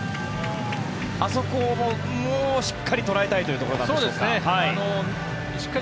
あそこもしっかり捉えたいというところなんでしょうか。